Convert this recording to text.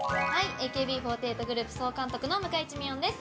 ＡＫＢ４８グループ総監督の向井地美音です！